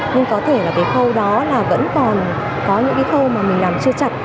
nhưng có thể là cái khâu đó là vẫn còn có những cái khâu mà mình làm chưa chặt